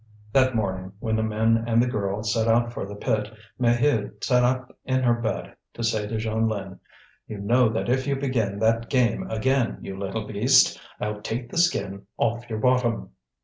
That morning, when the men and the girl set out for the pit, Maheude sat up in her bed to say to Jeanlin: "You know that if you begin that game again, you little beast, I'll take the skin off your bottom!"